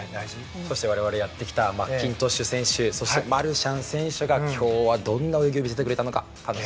そして我々、やってきたマッキントッシュ選手そしてマルシャン選手が今日はどんな泳ぎを見せてくれたのか。